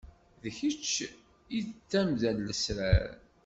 D kečč i d tamda n lesrar.